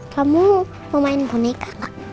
kamu pemain boneka